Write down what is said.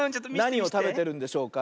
なにをたべてるんでしょうか？